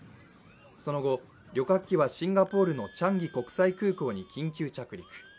その後、旅客機はシンガポールのチャンギ国際空港に緊急着陸。